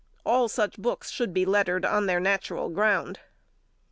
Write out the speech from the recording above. All such books should be lettered on their natural ground.